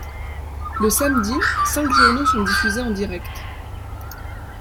Le samedi, cinq journaux sont diffusés en direct.